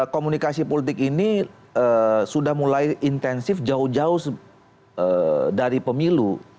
komunikasi politik ini sudah mulai intensif jauh jauh dari pemilu